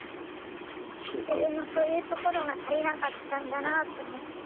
自分のそういうところが足りなかったんだなあと思って。